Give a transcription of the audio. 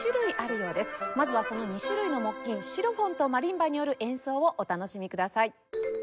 まずはその２種類の木琴シロフォンとマリンバによる演奏をお楽しみください。